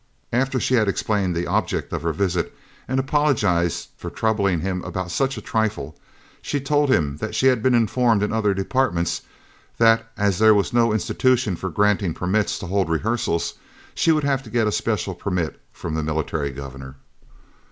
After she had explained the object of her visit and apologised for troubling him about such a trifle, she told him that she had been informed in other Departments that as there was no institution for granting permits to hold rehearsals, she would have to get a special permit from the Military Governor.